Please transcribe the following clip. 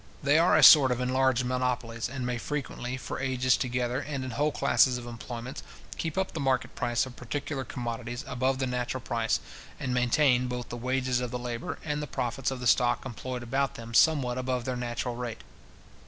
They are a sort of enlarged monopolies, and may frequently, for ages together, and in whole classes of employments, keep up the market price of particular commodities above the natural price, and maintain both the wages of the labour and the profits of the stock employed about them somewhat above their natural rate.